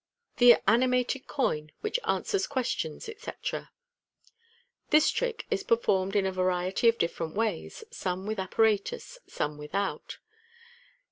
The Animated Coin, which answers Questions, etc. — This trick is performed in a variety of different ways, some with apparatus, some without.